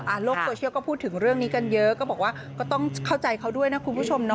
โลกโซเชียลก็พูดถึงเรื่องนี้กันเยอะก็บอกว่าก็ต้องเข้าใจเขาด้วยนะคุณผู้ชมเนาะ